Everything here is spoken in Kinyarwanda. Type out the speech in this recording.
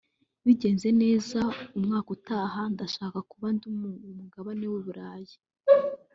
bigenze neza umwaka utaha ndashaka kuba ndi ku mugabane w’i Burayi